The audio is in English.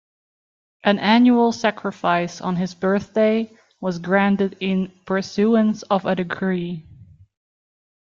An annual sacrifice on his birthday was granted in pursuance of a decree.